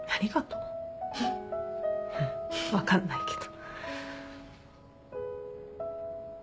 うん分かんないけど。